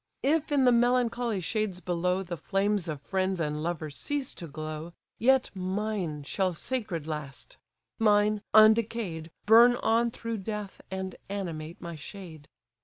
If in the melancholy shades below, The flames of friends and lovers cease to glow, Yet mine shall sacred last; mine, undecay'd, Burn on through death, and animate my shade.